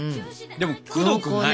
でもくどくない。